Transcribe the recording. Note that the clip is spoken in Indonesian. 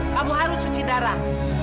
kamu harus cuci darah